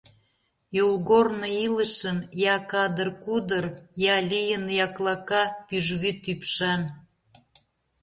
Йолгорно — илышын — я кадыр-кудыр, Я лийын яклака, пӱжвӱд ӱпшан.